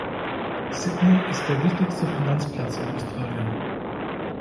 Sydney ist der wichtigste Finanzplatz in Australien.